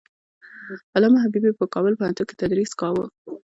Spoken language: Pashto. علامه حبيبي په کابل پوهنتون کې تدریس کاوه.